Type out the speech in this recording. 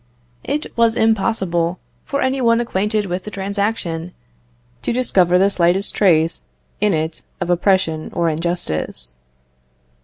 It was impossible for any one acquainted with the transaction to discover the slightest trace in it of oppression or injustice.